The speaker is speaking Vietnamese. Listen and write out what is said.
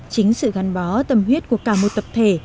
chính sự gắn bó tâm huyết của cả một tập thể